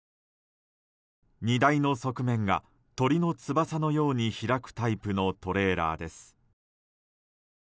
荷台の側面が鳥の翼のように開くタイプのトレーラーです。